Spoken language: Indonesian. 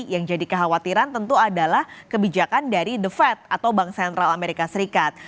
yang jadi kekhawatiran tentu adalah kebijakan dari the fed atau bank sentral amerika serikat